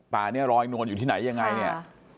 ป่าเนี่ยรอยนวลอยู่ที่ไหนยังไงเนี่ย